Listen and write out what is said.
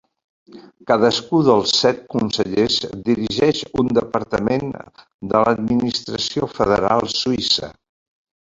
Cadascú dels set Consellers dirigeix un departament de l'administració federal suïssa.